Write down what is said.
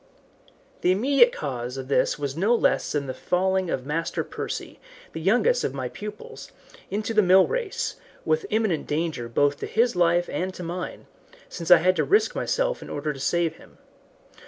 The immediate cause of this was no less than the falling of Master Percy, the youngest of my pupils, into the mill race, with imminent danger both to his life and to mine, since I had to risk myself in order to save him.